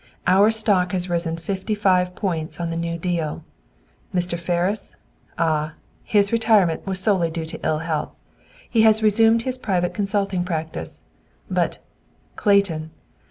Our stock has risen fifty five points on the new deal. Mr. Ferris? Ah! His retirement was solely due to ill health. He has resumed his private consulting practice. But, Clayton!